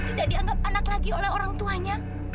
sampai jumpa di video selanjutnya